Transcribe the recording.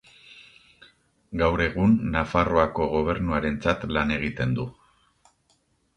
Gaur egun, Nafarroako gobernuarentzat lan egiten du.